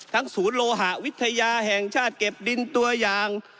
ศูนย์โลหะวิทยาแห่งชาติเก็บดินตัวอย่าง